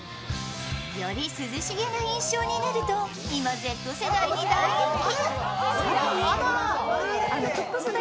より涼しげな印象になると今、Ｚ世代に大人気。